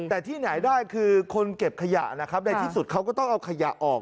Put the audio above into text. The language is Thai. แต่ที่ไหนได้คือคนเก็บขยะนะครับในที่สุดเขาก็ต้องเอาขยะออก